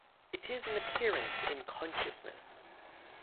It is an appearance in consciousness.